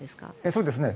そうですね。